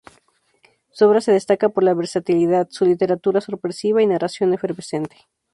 Su obra se destaca por la versatilidad, su literatura sorpresiva y narración efervescente.